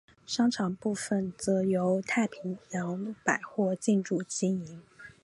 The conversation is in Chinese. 商场部份则由太平洋百货进驻经营。